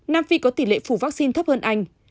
nam phi có tỷ lệ phủ vaccine thấp hơn anh